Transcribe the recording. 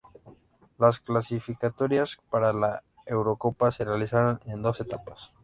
Las clasificatorias para la Eurocopa se realizaron en dos etapas.